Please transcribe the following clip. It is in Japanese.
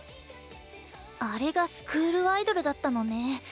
あれがスクールアイドルだったのね。